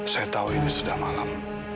saya tahu ini sudah malam